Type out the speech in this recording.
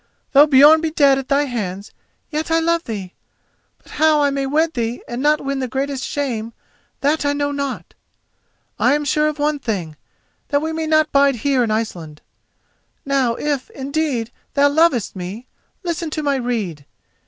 Though Björn be dead at thy hands, yet I love thee; but how I may wed thee and not win the greatest shame, that I know not. I am sure of one thing, that we may not bide here in Iceland. Now if, indeed, thou lovest me, listen to my rede.